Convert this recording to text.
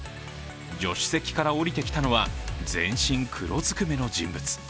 助手席から降りてきたのは全身黒ずくめの人物。